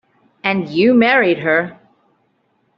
And you married her.